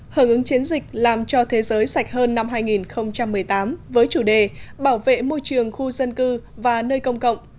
hở ứng chiến dịch làm cho thế giới sạch hơn năm hai nghìn một mươi tám với chủ đề bảo vệ môi trường khu dân cư và nơi công cộng